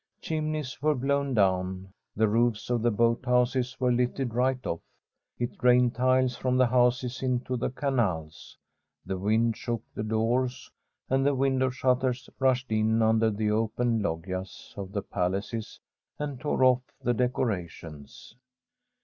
Chimneys were blown down; the roofs of the boathouses were lifted right of!; it rained tiles from the houses into the canals ; the wind shook the doors and the window shutters, rushed in under the open loggias of the palaces and tore oflE the deco rations.